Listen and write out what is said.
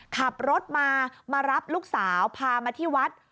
ขับรถมามารับลูกสาวพามาที่วัด